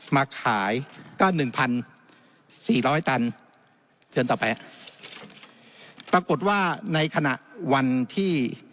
มาขายก็หนึ่งพันสี่ร้อยตันเชิญต่อไปปรากฏว่าในขณะวันที่